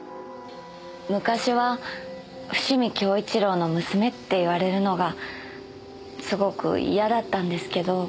昔は伏見享一良の娘って言われるのがすごく嫌だったんですけど。